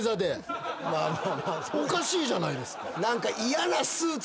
おかしいじゃないですか。